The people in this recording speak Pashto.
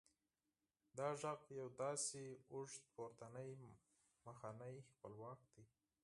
دا آواز یو داسې اوږد پورتنی مخنی خپلواک دی